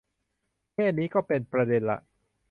แค่นี้ก็เป็นประเด็นละ